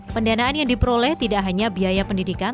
pendanaan yang diperoleh tidak hanya biaya pendidikan